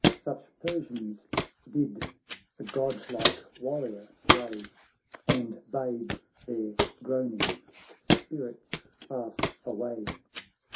Such Persians did the godlike warrior slay, And bade their groaning spirits pass away.